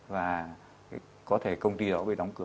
và có thể công ty đó bị đóng cửa